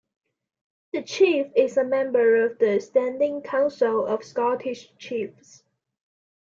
The chief is a member of the Standing Council of Scottish Chiefs.